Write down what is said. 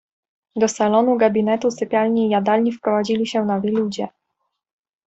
Do salonu, gabinetu, sypialni, jadalni wprowadzili się nowi ludzie.